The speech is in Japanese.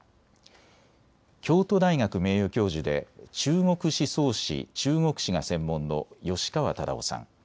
京都大学名誉教授で中国思想史・中国史が専門の吉川忠夫さん。